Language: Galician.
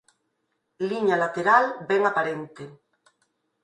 Liña lateral ben aparente.